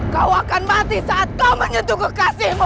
kau akan mati saat kau menyentuh kekasihmu